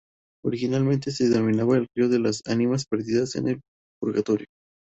Originalmente se denominaba: El río de las Ánimas Perdidas en el Purgatorio.